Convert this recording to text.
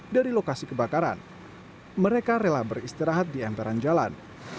dari lokasi kebakaran mereka rela beristirahat di emperan jalan